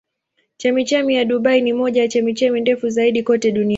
Chemchemi ya Dubai ni moja ya chemchemi ndefu zaidi kote duniani.